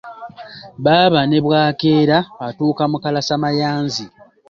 Baaba ne bw’akeera, atuuka mu kalasamayanzi.